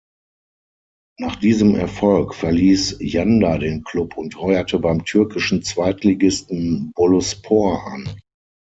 Nach diesem Erfolg verließ Janda den Klub und heuerte beim türkischen Zweitligisten Boluspor an.